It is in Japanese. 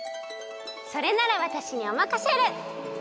それならわたしにおまかシェル！